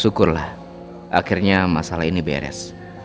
syukurlah akhirnya masalah ini beres